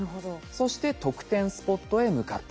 そして得点スポットへ向かっていくと。